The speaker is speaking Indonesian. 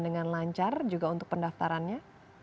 dengan lancar juga untuk pendaftarannya